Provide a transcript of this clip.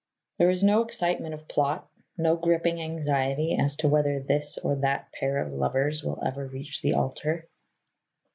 There is no excitement of plot, no gripping anxiety as to whether this or that pair of lovers will ever reach the altar.